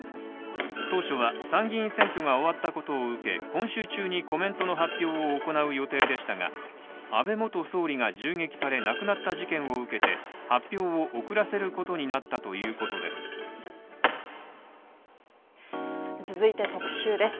当初は参議院選挙が終わったことを受け、今週中にコメントの発表を行う予定でしたが安倍元総理が銃撃され亡くなった事件を受けて発表を遅らせることになったということです。